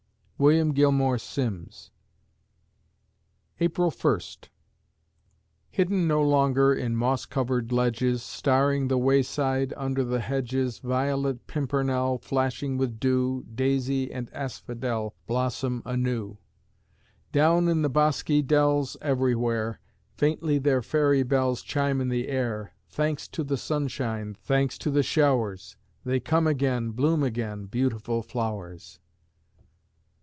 WILLIAM GILMORE SIMMS April First Hidden no longer In moss covered ledges, Starring the wayside, Under the hedges, Violet, Pimpernel, Flashing with dew, Daisy and Asphodel Blossom anew. Down in the bosky dells Everywhere, Faintly their fairy bells Chime in the air. Thanks to the sunshine! Thanks to the showers! They come again, bloom again, Beautiful flowers!